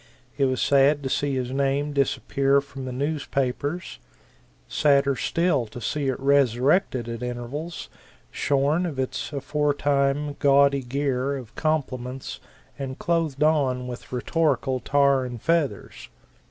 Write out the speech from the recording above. It was sad to see his name disappear from the newspapers; sadder still to see it resurrected at intervals, shorn of its aforetime gaudy gear of compliments and clothed on with rhetorical tar and feathers.